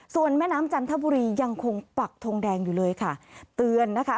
ส่วนแม่น้ำจันทบุรียังคงปักทงแดงอยู่เลยค่ะ